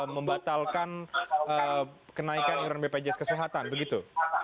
membatalkan kenaikan iuran bpjs kesehatan begitu